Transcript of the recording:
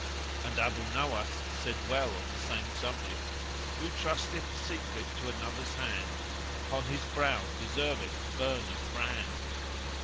And Abu Nowás[FN#153] said well on the same subject:— Who trusteth secret to another's hand * Upon his brow deserveth burn of brand!"